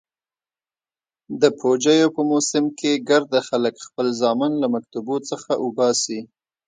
د پوجيو په موسم کښې ګرده خلك خپل زامن له مكتبو څخه اوباسي.